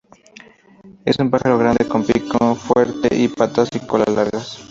Es un pájaro grande, con pico fuerte, y patas y cola largas.